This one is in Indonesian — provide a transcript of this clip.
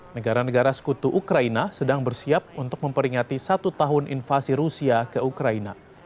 negara negara sekutu ukraina sedang bersiap untuk memperingati satu tahun invasi rusia ke ukraina